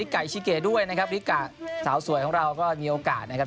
ไก่ชิเกด้วยนะครับริกะสาวสวยของเราก็มีโอกาสนะครับ